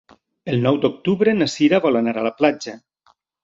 El nou d'octubre na Sira vol anar a la platja.